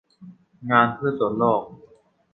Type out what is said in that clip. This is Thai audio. งานพืชสวนโลก